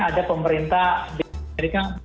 ada pemerintah di amerika